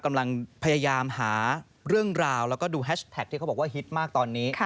กำลังพยายามหาเรื่องราวแล้วก็ดูแฮชแท็กที่เขาบอกว่าฮิตมากตอนนี้